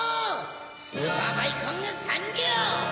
・スーパーバイコングさんじょう！